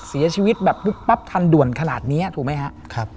เสียชีวิตแบบปุ๊บปั๊บทันด่วนขนาดนี้ถูกไหมครับ